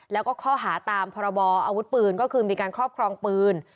แล้วก็ข้อหาตามพรบออาวุธปืนก็คือมีการครอบครองปืน